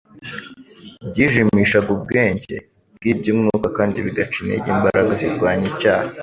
byijimishaga ubwenge bw'iby'umwuka kandi bigaca intege imbaraga zirwanya icyaha.